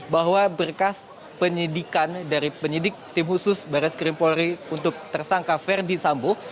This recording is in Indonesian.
bahwa berkas penyidikan dari penyidik tim khusus baris krim polri untuk tersangka verdi sambo